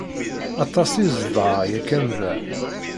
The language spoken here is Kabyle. Aṭas i zedɣeɣ yakan da.